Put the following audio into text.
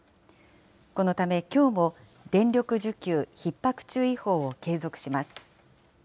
このためきょうも、電力需給ひっ迫注意報を継続します。